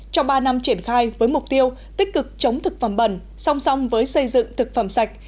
trong ba năm triển khai với mục tiêu tích cực chống thực phẩm bẩn song song với xây dựng thực phẩm sạch